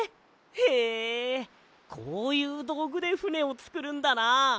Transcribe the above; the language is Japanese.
へえこういうどうぐでふねをつくるんだな。